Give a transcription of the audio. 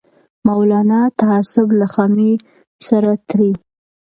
مولانا تعصب له خامۍ سره تړي